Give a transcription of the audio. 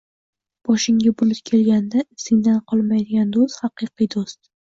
Boshingga bulut kelganida izingdan qolmaydigan do’st haqiqiy do’st.